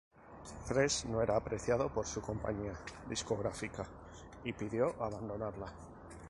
Fresh no era apreciado por su compañía discográfica y pidió abandonarla.